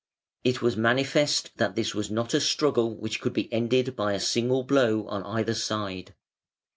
It was manifest that this was not a struggle which could be ended by a single blow on either side.